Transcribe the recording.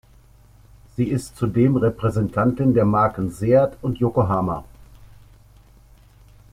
Sie ist zudem Repräsentantin der Marken Seat und Yokohama.